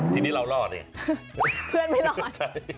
ทีนี้เรารอดนี่เพื่อนไม่รอด